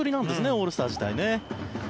オールスター自体ね。